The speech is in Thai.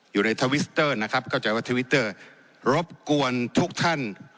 ทวิสเตอร์นะครับเข้าใจว่าทวิตเตอร์รบกวนทุกท่าน